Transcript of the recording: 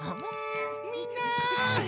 みんな！